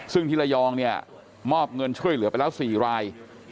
ซึ่งที่ระยองเนี่ยมอบเงินช่วยเหลือไปแล้ว๔ราย